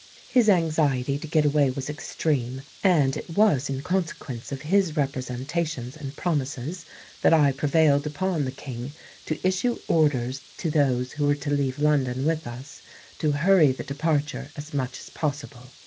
His anxiety to get away was extreme; and it was in consequence of his representations and promises that I prevailed upon the King to issue orders to those who were to leave London with us, to hurry the departure as much as possible.